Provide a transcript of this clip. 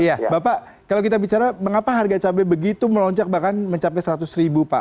iya bapak kalau kita bicara mengapa harga cabai begitu melonjak bahkan mencapai seratus ribu pak